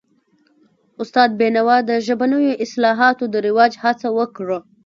استاد بینوا د ژبنیو اصطلاحاتو د رواج هڅه وکړه.